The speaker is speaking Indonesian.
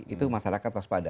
itu masyarakat waspada